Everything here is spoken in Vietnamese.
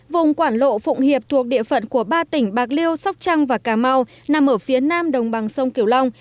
vùng quảng lộ phụng hiệp thuộc địa phận của ba tỉnh bạc liêu sóc trăng và cà mau nằm ở phía nam đồng bằng sông kiểu long